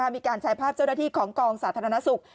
มีการแชร์ภาพเจ้าหน้าที่ของกองสาธารณสุข